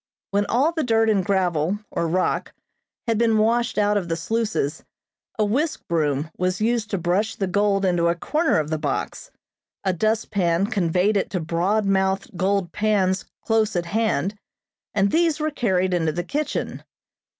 When all the dirt and gravel, or rock, had been washed out of the sluices, a whisk broom was used to brush the gold into a corner of the box, a dustpan conveyed it to broad mouthed gold pans close at hand, and these were carried into the kitchen.